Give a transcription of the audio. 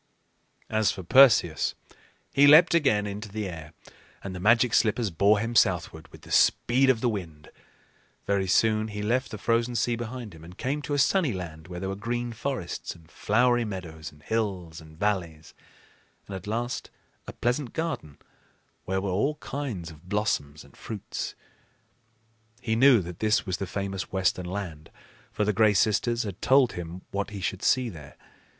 As for Perseus, he leaped again into the air, and the Magic Slippers bore him southward with the speed of the wind. Very soon he left the frozen sea behind him and came to a sunny land, where there were green forests and flowery meadows and hills and valleys, and at last a pleasant garden where were all kinds of blossoms and fruits. He knew that this was the famous Western Land, for the Gray Sisters had told him what he should see there.